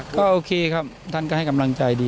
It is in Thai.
ก็โอเคครับท่านก็ให้กำลังใจดี